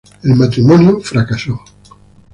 El matrimonio fracasó.